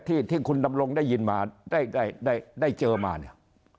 ที่ที่คุณดำรงได้ยินมาได้ได้เจอมาเนี่ย